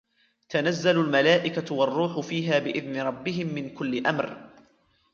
تنزل الملائكة والروح فيها بإذن ربهم من كل أمر